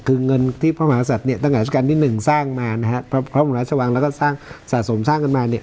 คือเงินที่พระมหาศัตริย์เนี่ยตั้งแต่ราชการที่หนึ่งสร้างมานะฮะพระบรมราชวังแล้วก็สร้างสะสมสร้างกันมาเนี่ย